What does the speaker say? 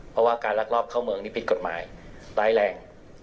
เพราะว่าการลักลอบเข้าเมืองนี่ผิดกฎหมายร้ายแรง